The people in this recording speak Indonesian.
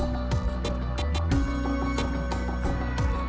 ada yang berpikir